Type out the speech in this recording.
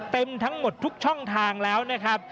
เต็มทั้งหมดทุกช่องทางแล้วนะครับ